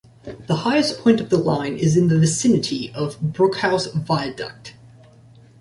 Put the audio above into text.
The highest point of the line is in the vicinity of Brookhouse viaduct.